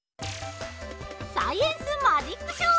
サイエンスマジックショー！